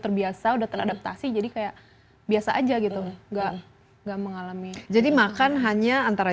terbiasa udah teradaptasi jadi kayak biasa aja gitu enggak enggak mengalami jadi makan hanya antara